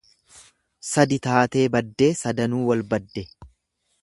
Sadi taatee baddee sadanuu wal badde.